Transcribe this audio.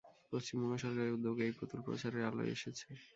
পশ্চিমবঙ্গ সরকারের উদ্যোগে এই পুতুল প্রচারের আলোয় এসেছে।